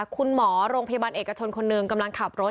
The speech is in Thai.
คุณหมอโรงพยาบาลเอกชนคนหนึ่งกำลังขับรถ